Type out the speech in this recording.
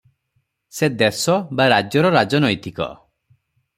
ସେ ଦେଶ ବା ରାଜ୍ୟର ରାଜନୈତିକ ।